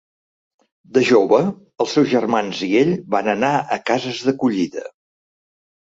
De jove, els seus germans i ell van anar a cases d'acollida.